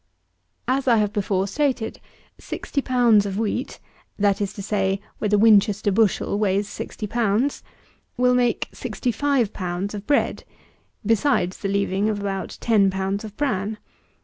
81. As I have before stated, sixty pounds of wheat, that is to say, where the Winchester bushel weighs sixty pounds, will make sixty five pounds of bread, besides the leaving of about ten pounds of bran.